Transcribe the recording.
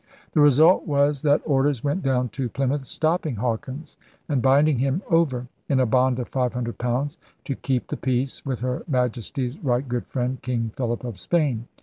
The result was that orders went down to Plymouth stopping Hawkins and binding him over, in a bond of five hundred pounds, to keep the peace with Her Majesty's right good friend King Philip of Spain.